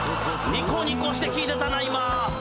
ニコニコして聞いてたなぁ！